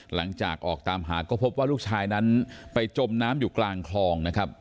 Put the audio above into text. หลังจากออกตามหาก็พบว่าลูกชายนั้นไปจมน้ำอยู่กลางคลองนะครับ